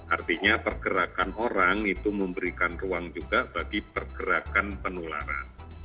artinya pergerakan orang itu memberikan ruang juga bagi pergerakan penularan